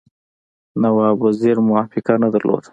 نواب وزیر موافقه نه درلوده.